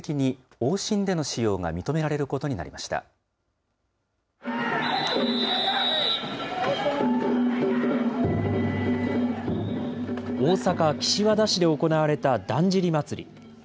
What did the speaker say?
大阪・岸和田市で行われただんじり祭。